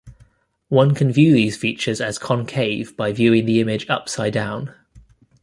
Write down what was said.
One can view these features as concave by viewing the image upside-down.